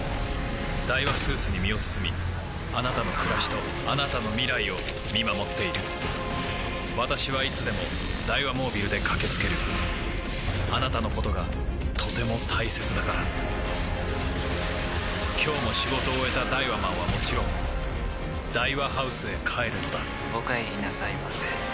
ダイワスーツに身を包みあなたの暮らしとあなたの未来を見守っている私はいつでもダイワモービルで駆け付けるあなたのことがとても大切だから今日も仕事を終えたダイワマンはもちろんダイワハウスへ帰るのだお帰りなさいませ。